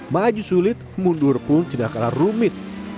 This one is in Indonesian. maju sulit mundur pun tidak kalah rumit